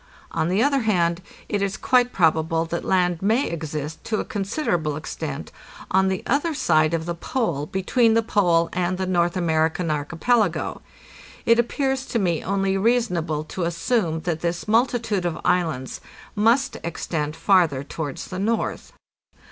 On the other hand, it is quite probable that land may exist to a considerable extent on the other side of the Pole between the Pole and the North American archipelago. It appears to me only reasonable to assume that this multitude of islands must extend farther towards the north.